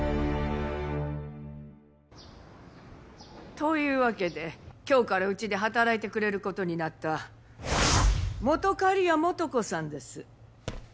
というわけで今日からうちで働いてくれる事になった本仮屋素子さんです。